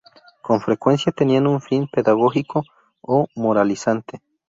Con frecuencia tenían un fin pedagógico o moralizante.